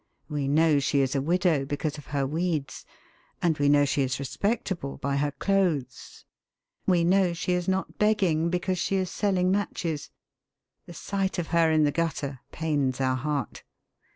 We know she is a widow because of her weeds, and we know she is respectable by her clothes. We know she is not begging because she is selling matches. The sight of her in the gutter pains our heart.